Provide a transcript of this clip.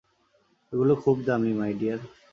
এগুলো খুব দামী, মাই ডিয়ার।